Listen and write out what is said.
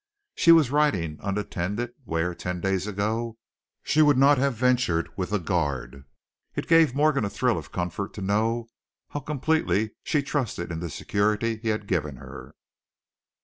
She was riding unattended where, ten days ago, she would not have ventured with a guard. It gave Morgan a thrill of comfort to know how completely she trusted in the security he had given her.